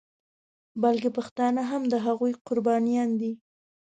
بلکې پښتانه هم د هغوی قربانیان دي.